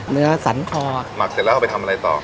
เนื้อสรรคอจะไปย่าง๕๐นาที